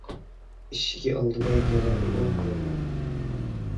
ئىشىكى ئالدىدا يەنە ئۇيان- بۇيان ماڭدى.